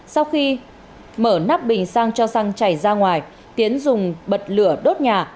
sau khi mở nắp bình sang cho xăng chảy ra ngoài tiến dùng bật lửa đốt nhà